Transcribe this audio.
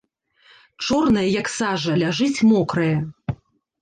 Чорнае, як сажа, ляжыць мокрае.